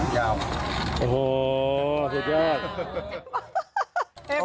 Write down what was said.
ยาวโอ้โหสุดยอด